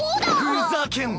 ふざけんな！